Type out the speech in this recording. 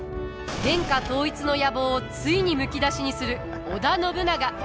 天下統一の野望をついにむき出しにする織田信長。